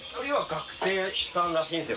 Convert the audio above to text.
学生さんらしいです。